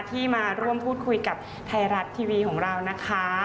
ที่มาร่วมพูดคุยกับไทยรัฐทีวีของเรานะคะ